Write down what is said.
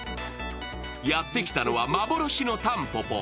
やってきたのは幻のタンポポ。